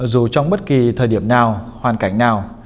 dù trong bất kỳ thời điểm nào hoàn cảnh nào